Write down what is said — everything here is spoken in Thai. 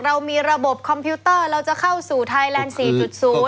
เรามีระบบคอมพิวเตอร์เราจะเข้าสู่ไทยแลนด์๔๐